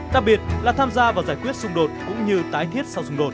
đặc biệt là tham gia và giải quyết xung đột